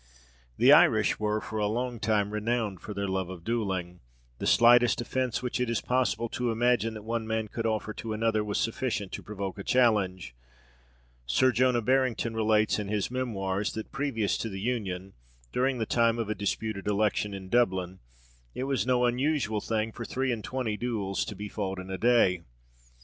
The Irish were for a long time renowned for their love of duelling. The slightest offence which it is possible to imagine that one man could offer to another was sufficient to provoke a challenge. Sir Jonah Barrington relates, in his Memoirs, that, previous to the Union, during the time of a disputed election in Dublin, it was no unusual thing for three and twenty duels to be fought in a day.